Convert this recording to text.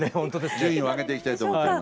順位を上げていきたいと思っております。